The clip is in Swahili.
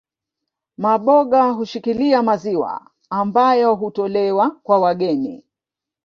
Maboga hushikilia maziwa ambayo hutolewa kwa wageni